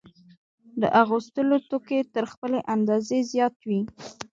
د اغوستلو توکي تر خپلې اندازې زیات وي